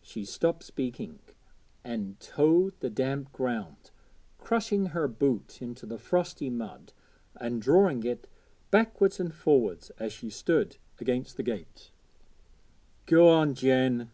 She stopped speaking and toed the damp ground crushing her boot into the frosty mud and drawing it backwards and forwards as she stood against the gate. 'Go on, Jen.'